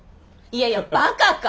いやいやバカか！